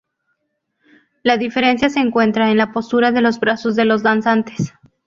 La diferencia se encuentra en la postura de los brazos de los danzantes.